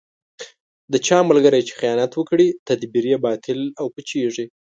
د چا ملګری چې خیانت وکړي، تدبیر یې باطل او پوچېـږي.